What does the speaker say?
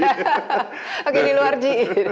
oke di luar g